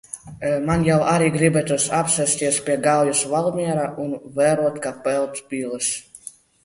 Man jau arī gribētos apsēsties pie Gaujas Valmierā un vērot kā peld pīles.